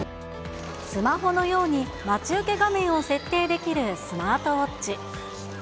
スマホのように待ち受け画面を設定できるスマートウオッチ。